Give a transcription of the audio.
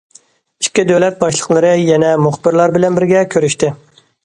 ئىككى دۆلەت باشلىقلىرى يەنە مۇخبىرلار بىلەن بىرگە كۆرۈشتى.